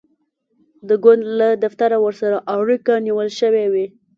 د ګوند له دفتره ورسره اړیکه نیول شوې وي.